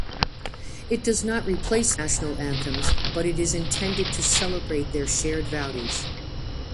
It does not replace national anthems, but is intended to celebrate their shared values.